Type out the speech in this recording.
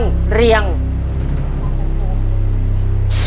ตัวเลือกที่สี่เคียงเรียง